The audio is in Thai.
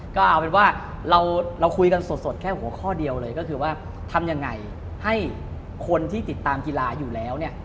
ก็เอาเป็นว่าเราคุยกันสดแค่หัวข้อเดียวเลยก็คือว่าทำยังไงให้คนที่ติดตามกีฬาอยู่แล้วเนี่ย